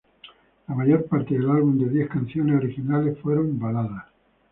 La mayor parte del álbum de diez canciones originales fueron baladas.